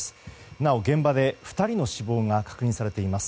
なお、現場で２人の死亡が確認されています。